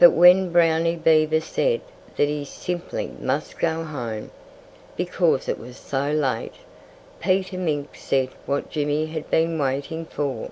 But when Brownie Beaver said that he simply must go home, because it was so late, Peter Mink said what Jimmy had been waiting for.